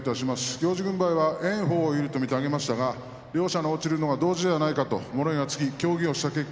行司軍配は炎鵬を有利と挙げましたが両者の落ちるのが同時ではないかと物言いがつき協議をした結果